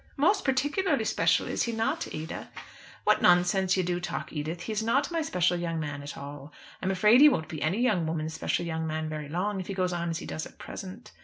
"Most particularly special, is he not, Ada?" "What nonsense you do talk, Edith. He is not my special young man at all. I'm afraid he won't be any young woman's special young man very long, if he goes on as he does at present.